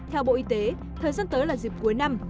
theo bộ y tế thời gian tới là dịp cuối năm